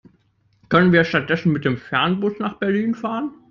Können wir stattdessen mit dem Fernbus nach Berlin fahren?